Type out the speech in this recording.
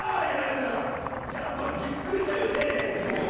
やられたらやっぱびっくりしちゃうよね！